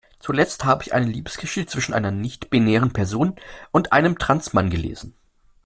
Zuletzt habe ich eine Liebesgeschichte zwischen einer nichtbinären Person und einem Trans-Mann gelesen.